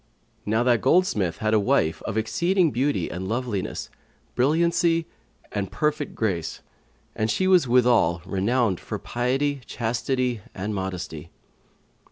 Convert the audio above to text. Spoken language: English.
Now that goldsmith had a wife of exceeding beauty and loveliness, brilliancy and perfect grace; and she was withal renowned for piety, chastity and modesty.